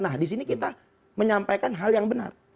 nah di sini kita menyampaikan hal yang benar